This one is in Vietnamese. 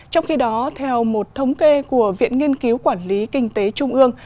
trong khi đó theo một thống kê của viện nghiên cứu quản lý kinh tế trung ương